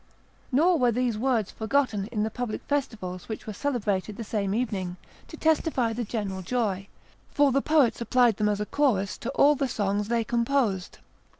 Nor were these words forgotten in the public festivals which were celebrated the same evening, to testify the general joy; for the poets applied them as a chorus to all the songs they composed.